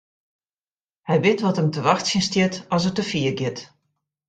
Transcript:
Hy wit wat him te wachtsjen stiet as er te fier giet.